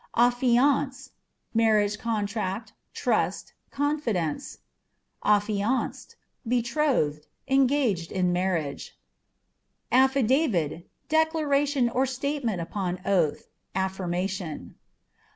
Affiance â€" marriage contract, trust, confidence. Affianced â€" betrothed, engaged in marriage. Affidavit â€" declaration or statement upon oath, affirmation.